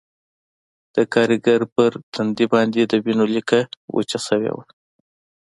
د کارګر په ټنډه باندې د وینو لیکه وچه شوې وه